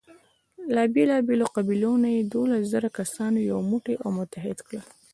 له بېلابېلو قبیلو نه یې دولس زره کسه یو موټی او متحد کړل.